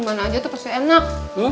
gimana aja tuh pasti enak